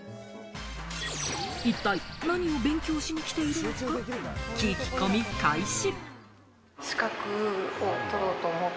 一体、何を勉強しに来ているのか、聞き込み開始。